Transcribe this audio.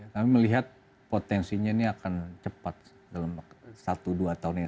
kami melihat potensinya ini akan cepat dalam satu dua tahun ini